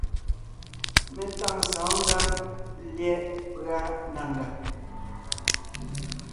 Mé tâŋ sɔ̌ɔn ngǎŋ lyɛ̌ʼ pʉ́a na ngàb;